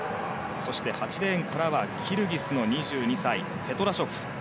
８レーンからはキルギスの２２歳ペトラショフ。